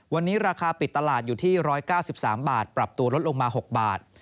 วันนี้ราคาปิดตลาดอยู่ที่๑๙๓บาทปรับตัวลดลงมา๖บาท